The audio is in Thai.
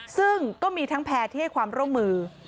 ซึ่งก็มีทั้งแพร่ที่ให้ความร่วมมือ